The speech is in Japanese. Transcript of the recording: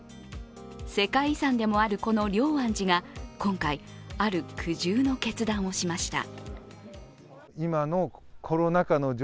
世界遺産でもあるこの龍安寺が今回、ある苦渋の決断をしました。